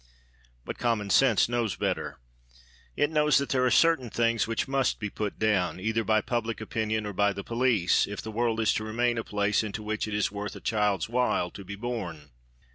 But common sense knows better. It knows that there are certain things which must be put down, either by public opinion or by the police, if the world is to remain a place into which it is worth a child's while to be born.